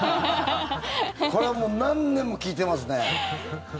これは何年も聞いていますね。